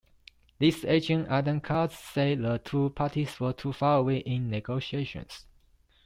Lee's agent Adam Katz said the two parties were too far away in negotiations.